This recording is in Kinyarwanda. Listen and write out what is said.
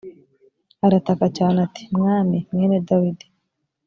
arataka cyane ati mwami mwene dawidi